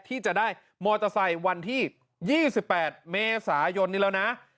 ที่จะได้มอเตอร์ไซค์วันที่๒๘เมษายนนี้แล้วนะ